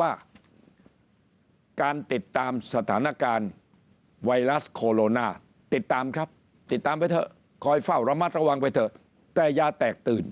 ว่าการติดตามสถานการณ์ไวรัสโคโรนาติดตามครับติดตามไปเถอะคอยเฝ้าระมัดระวังไปเถอะแต่อย่าแตกตื่น